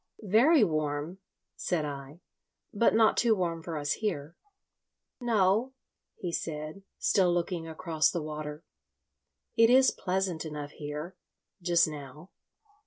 "Very warm," said I; "but not too warm for us here." "No," he said, still looking across the water, "it is pleasant enough here .... just now."